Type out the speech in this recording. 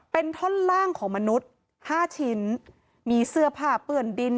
เป็นท่อนล่างของมนุษย์ห้าชิ้นมีเสื้อผ้าเปื้อนดิน